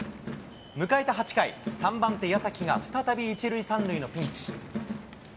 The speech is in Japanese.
迎えた８回、３番手、矢崎が再び１塁３塁のピンチ。